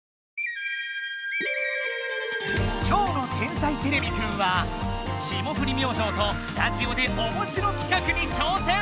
きょうの「天才てれびくん」は霜降り明星とスタジオでおもしろ企画に挑戦！